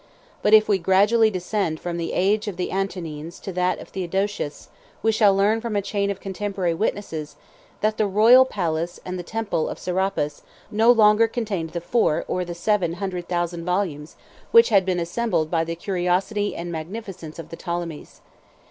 120 But if we gradually descend from the age of the Antonines to that of Theodosius, we shall learn from a chain of contemporary witnesses, that the royal palace and the temple of Serapis no longer contained the four, or the seven, hundred thousand volumes, which had been assembled by the curiosity and magnificence of the Ptolemies.